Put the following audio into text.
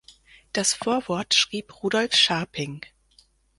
Das Vorwort schrieb Rudolf Scharping.